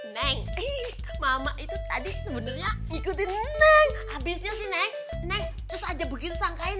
neng mama itu tadi sebenarnya ngikutin neng habisnya sih neng neng aja begitu sangkain